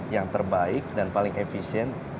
yang terbaik dan paling efisien